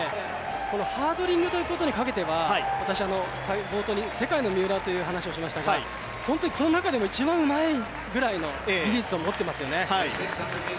ハードリングということにかけては、私、冒頭に世界の三浦という話をしましたが、本当にこの中でも一番うまいぐらいの技術を持っていますよね。